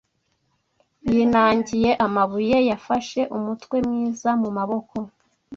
yinangiye amabuye; Yafashe umutwe mwiza mu maboko